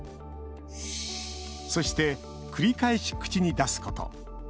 そして繰り返し口に出すこと。